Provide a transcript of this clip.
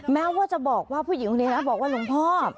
แม้ว่าจะบอกว่าผู้หญิงคนนี้นะบอกว่าหลวงพ่อ